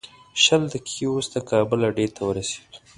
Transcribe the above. شل دقیقې وروسته کابل اډې ته ورسېدو.